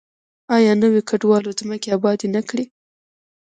آیا نویو کډوالو ځمکې ابادې نه کړې؟